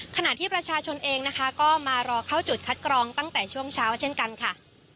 ขณะที่ประชาชนเองนะคะก็มารอเข้าจุดคัดกรองตั้งแต่ช่วงเช้าเช่นกันค่ะ